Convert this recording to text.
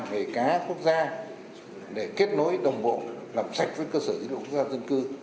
về cá quốc gia để kết nối đồng bộ làm sạch với cơ sở dữ liệu quốc gia dân cư